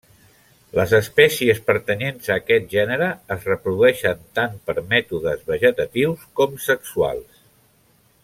Les espècies pertanyents a aquest gènere es reprodueixen tant per mètodes vegetatius com sexuals.